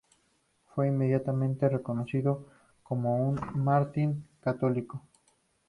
Fue inmediatamente reconocido como un mártir católico.